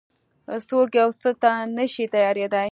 څوک يو څه ته نه شي تيارېدای.